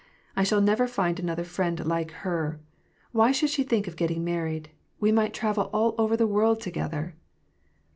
I shall never find another friend like her ! Why should she think of getting married ? We might travel all over the world together